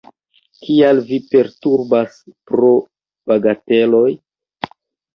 Kial vi perturbas pro bagateloj?